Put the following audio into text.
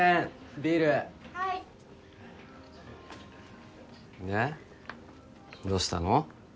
ビール・はいでどうしたの？